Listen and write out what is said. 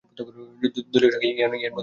দলীয় সঙ্গী Ian Botham তখন তার সাথে ছিলেন।